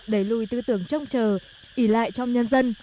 đẩy lùi tư tưởng trông trờ ý lại trong nhân dân